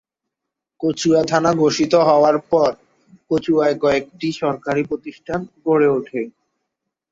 কচুয়া থানা ঘোষিত হওয়ার পর কচুয়ায় কয়েকটি সরকারি প্রতিষ্ঠান গড়ে উঠে।